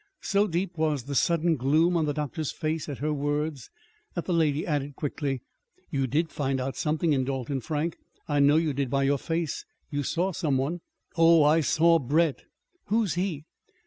So deep was the sudden gloom on the doctor's face at her words that the lady added quickly: "You did find out something in Dalton, Frank! I know you did by your face. You saw some one." "Oh, I saw Brett." "Who's he?"